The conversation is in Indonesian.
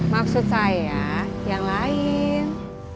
maksud saya yang lain